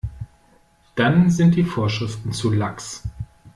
Dann sind die Vorschriften zu lax.